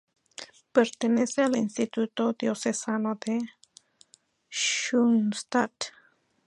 Pertenece al Instituto Diocesano de Schoenstatt.